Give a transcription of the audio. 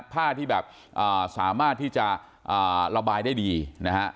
ผ้าที่แบบสามารถที่จะระบายได้ดีนะฮะ